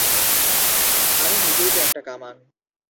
আমি নিজেই তো একটা কামান।